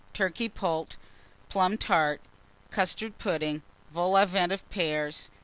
Turkey Poult. Plum Tart. Custard Pudding. Vol au Vent of Pears.